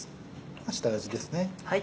下味ですね。